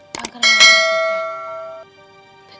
kanker adalah kebenaran